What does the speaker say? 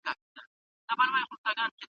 کوټه د ملا د فکرونو مرکز و.